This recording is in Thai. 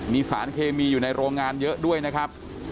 มีสารเคมีอยู่ในโรงงานเยอะด้วยนะครับ